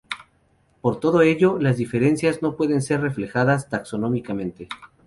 Por todo ello, las diferencias no pueden ser reflejadas taxonómicamente.